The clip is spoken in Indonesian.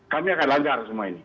kami akan lancar semua ini